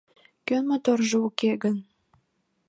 — Кӧн моторжо уке гын!